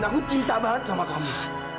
aku cinta banget sama kamu